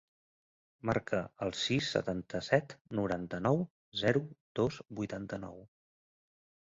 Marca el sis, setanta-set, noranta-nou, zero, dos, vuitanta-nou.